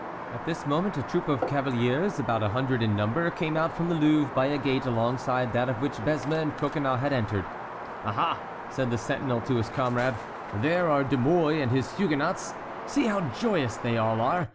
At this moment a troop of cavaliers, about a hundred in number, came out from the Louvre by a gate alongside that of which Besme and Coconnas had entered. "Aha!" said the sentinel to his comrade, "there are De Mouy and his Huguenots! See how joyous they all are!